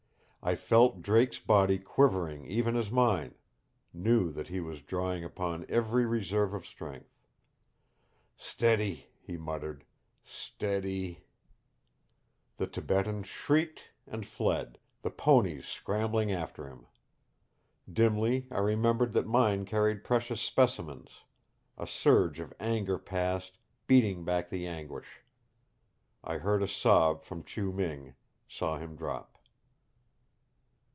I felt Drake's body quivering even as mine; knew that he was drawing upon every reserve of strength. "Steady," he muttered. "Steady " The Tibetan shrieked and fled, the ponies scrambling after him. Dimly I remembered that mine carried precious specimens; a surge of anger passed, beating back the anguish. I heard a sob from Chiu Ming, saw him drop.